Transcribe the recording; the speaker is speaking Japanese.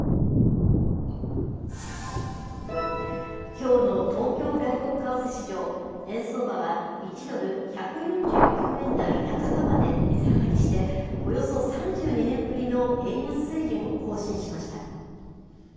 きょうの東京外国為替市場、円相場は１ドル１４９円台半ばまで値下がりして、およそ３２年ぶりの円安水準を更新しました。